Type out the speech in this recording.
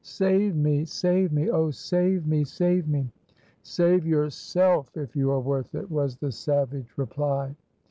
"Save me! save me! Oh, save me! save me!" "Save yourself! if you are worth it!" was the savage reply.